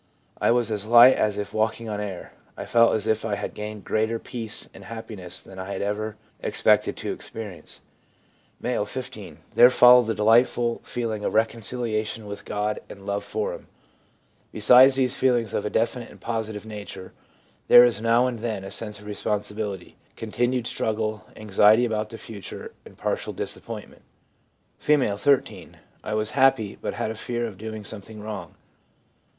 I was as light as if walking on air. I felt as if I had gained greater peace and happiness than I had ever expected to ex perience/ M., 15. 'There followed a delightful feeling of reconciliation with God and love for Him/ Besides these feelings of a definite and positive nature, there is now and then a sense of responsibility, continued struggle, anxiety about the future, and partial dis appointment. F., 13. 'I was happy, but had a fear of doing something wrong.'